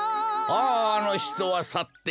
あああのひとはさっていく。